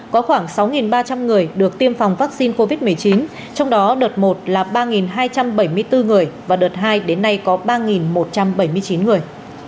có khoảng sáu ba trăm linh người được tiêm phòng vaccine covid một mươi chín trong đó đợt một là ba hai trăm bảy mươi bốn người và đợt hai đến nay có ba một trăm bảy mươi chín người